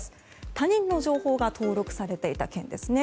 他人の情報が登録されていた件ですね。